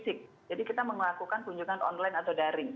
jadi selama ini kita masih melakukan kunjungan online atau daring